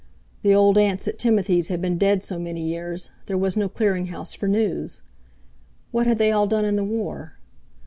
The old aunts at Timothy's had been dead so many years; there was no clearing house for news. What had they all done in the War?